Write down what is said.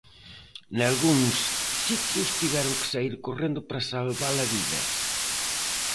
Nalgúns sitios tiveron que saír correndo para salvar a vida.